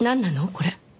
これ。